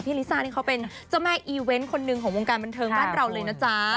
ลิซ่านี่เขาเป็นเจ้าแม่อีเวนต์คนหนึ่งของวงการบันเทิงบ้านเราเลยนะจ๊ะ